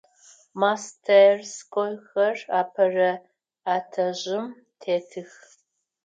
Мастерскойхэр апэрэ этажым тетых.